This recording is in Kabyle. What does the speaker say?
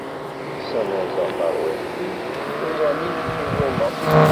Ssanazeɣ tarwiḥt-iw s tuẓamin i ttuẓumeɣ.